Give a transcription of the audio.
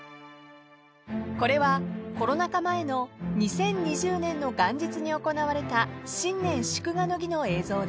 ［これはコロナ禍前の２０２０年の元日に行われた新年祝賀の儀の映像です］